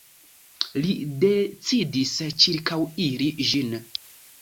Li decidis ĉirkaŭiri ĝin.